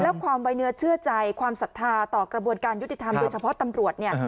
แล้วความไว้เนื้อเชื่อใจความศรัทธาต่อกระบวนการยุติธรรมโดยเฉพาะตำรวจเนี่ย